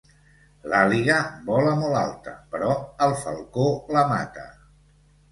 L'àliga vola molt alta, però el falcó la mata.